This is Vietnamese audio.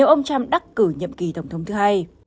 ông trump đắc cử nhiệm kỳ tổng thống thứ hai